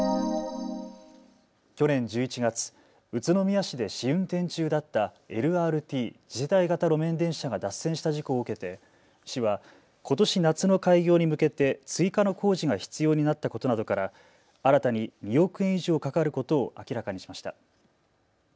去年１１月、宇都宮市で試運転中だったＬＲＴ・次世代型路面電車が脱線した事故を受けて市はことし夏の開業に向けて追加の工事が必要になったことなどから新たに２億円以上かかることを明らかにしました。